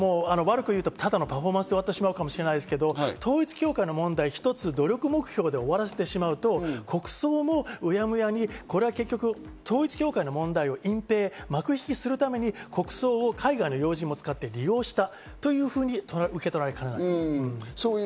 ただのパフォーマンスで終わってしまうかもしれませんが、統一教会の問題一つ努力目標で終わらせてしまうと、国葬もうやむやに、結局、統一教会の問題を隠蔽・幕引きするために国葬を海外の要人も使って利用したというふうに受け取られかねない。